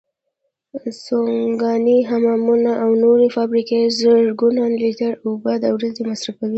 سوناګانې، حمامونه او نورې فابریکې زرګونه لیتره اوبو د ورځې مصرفوي.